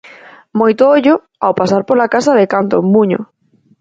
Moito ollo ao pasar pola casa de Canto en Buño.